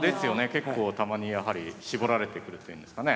結構たまにやはり絞られてくるというんですかね。